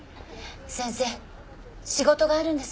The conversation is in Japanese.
先生仕事があるんです。